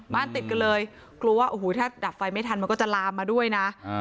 ติดกันเลยกลัวว่าโอ้โหถ้าดับไฟไม่ทันมันก็จะลามมาด้วยนะ